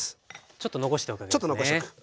ちょっと残しておく。